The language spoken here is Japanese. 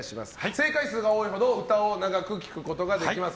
正解数が多いほど歌を長く聴くことができます。